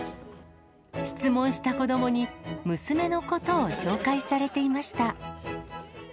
質問した子どもに、娘のことを紹介されていました。